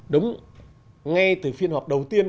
đúng ngay từ phiên họp đầu tiên